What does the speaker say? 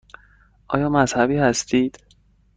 آیا مذهبی هستید؟